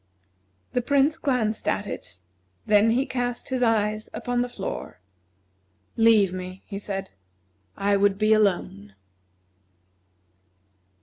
The Prince glanced at it and then he cast his eyes upon the floor. "Leave me," he said. "I would be alone."